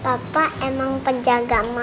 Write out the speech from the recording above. papa emang penjaga mama